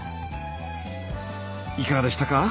いかがでしたか？